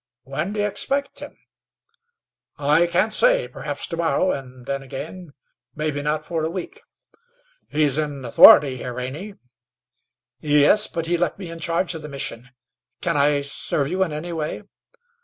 "When d'ye expect him?" "I can't say. Perhaps to morrow, and then, again, maybe not for a week." "He is in authority here, ain't he?" "Yes; but he left me in charge of the Mission. Can I serve you in any way?"